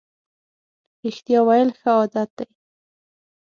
رښتیا ویل ښه عادت دی.